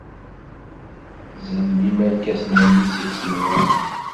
Tzellim irkasen-nni seg tzewwut.